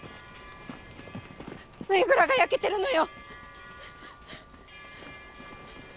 繭倉が焼けてるのよ！